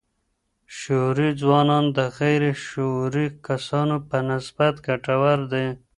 شعوري ځوانان د غير شعوري کسانو په نسبت ګټور دي.